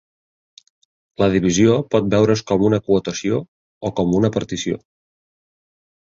La divisió pot veure's com una quotació o con una partició.